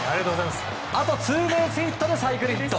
あとツーベースヒットでサイクルヒット。